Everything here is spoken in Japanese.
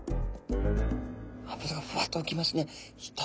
脂がふわっと浮きますね。